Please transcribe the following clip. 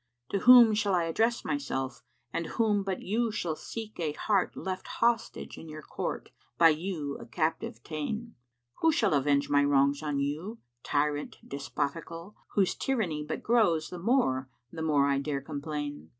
To whom shall I address myself; and whom but you shall seek * A heart left hostage in your Court, by you a captive ta'en? Who shall avenge my wrongs on you,[FN#560] tyrant despotical * Whose tyranny but grows the more, the more I dare complain?